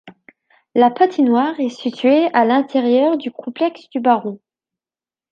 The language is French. La patinoire est située à l'intérieur du complexe du Baron.